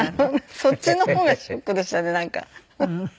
そっちの方がショックでしたねなんか。